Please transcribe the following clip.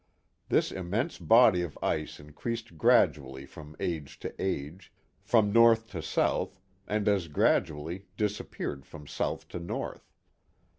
This immense body of ice increased gradually from age to age, from north to south, and as gradually disappeared from south to north.